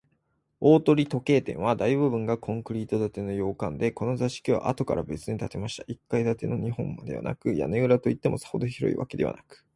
大鳥時計店は、大部分がコンクリート建ての洋館で、この座敷は、あとからべつに建てました一階建ての日本間でしたから、屋根裏といっても、さほど広いわけでなく、